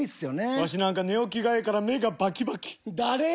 ワシなんか寝起きがええから目がバキバキ誰ぇ！